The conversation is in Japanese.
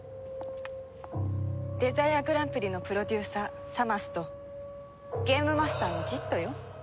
デザイアグランプリのプロデューサーサマスとゲームマスターのジットよ。